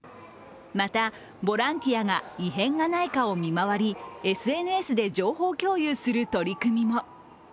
また、ボランティアが異変がないかを見回り、ＳＮＳで情報共有する取り組みも。